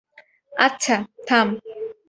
আচ্ছা, থাম।